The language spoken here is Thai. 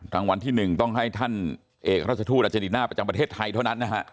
รางวัลที่๑ต้องให้ท่านเอกราชทูตอาเจนติน่าประจำประเทศไทยเท่านั้นนะฮะ